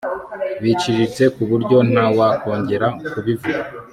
biciriritse kuburyo ntawakongera kubivuga